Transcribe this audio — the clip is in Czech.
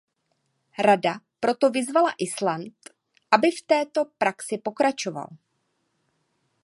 Rada proto vyzvala Island, aby v této praxi pokračoval.